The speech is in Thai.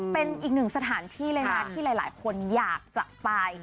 เป็นอีกหนึ่งสถานที่เลยนะที่หลายคนอยากจะไป